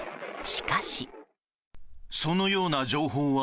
しかし。